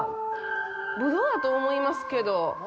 ブドウだと思いますけど。